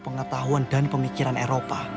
pengetahuan dan pemikiran eropa